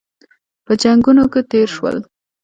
په جنګونو کې تېر شول.